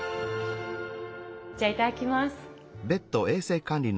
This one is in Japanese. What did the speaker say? じゃあいただきます。